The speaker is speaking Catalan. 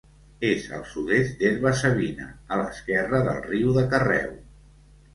És al sud-est d'Herba-savina, a l'esquerra del riu de Carreu.